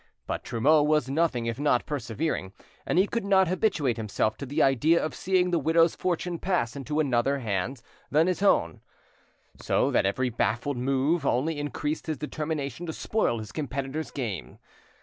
But Trumeau was nothing if not persevering, and he could not habituate himself to the idea of seeing the widow's fortune pass into other hands than his own, so that every baffled move only increased his determination to spoil his competitor's game.